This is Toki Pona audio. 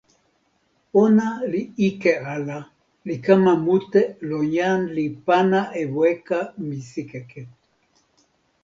ona li ike ala, li kama mute lon jan li pana e weka misikeke.